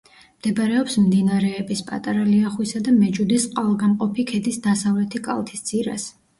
მდებარეობს მდინარეების პატარა ლიახვისა და მეჯუდის წყალგამყოფი ქედის დასავლეთი კალთის ძირას.